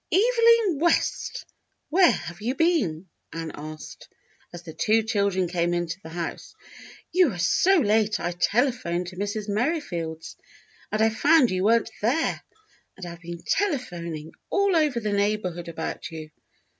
"Evelyn West, where have you been.^^" Ann asked, as the two children came into the house. "You were so late I telephoned to Mrs. Merrifield's and I found you weren't there, and I've been telephoning all over the neighborhood about you."